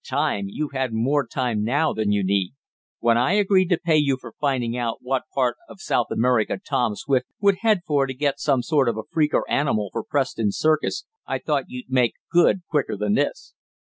"Time! You've had more time now than you need. When I agreed to pay you for finding out what part of South America Tom Swift would head for to get some sort of a freak or animal for Preston's circus I thought you'd make good quicker than this."